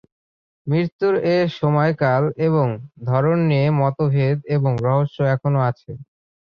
মৃত্যুর এ সময়কাল এবং ধরন নিয়ে মতভেদ এবং রহস্য এখনো আছে।